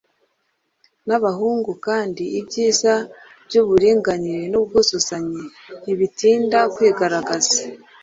nabahungu kandi ibyiza by’uburinganire n’ubwuzuzanye ntibitinda kwigaragaza.